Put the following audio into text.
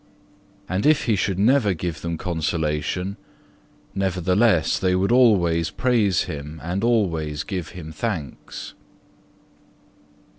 And if He should never give them consolation, nevertheless they would always praise Him and always give Him thanks.